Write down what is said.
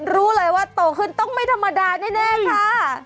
รู้เลยว่าโตขึ้นต้องไม่ธรรมดาแน่ค่ะ